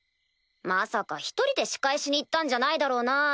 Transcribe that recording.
まさか一人で仕返しに行ったんじゃないだろうな？